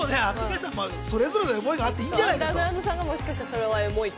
それぞれの思いがあっていいんじゃないかと。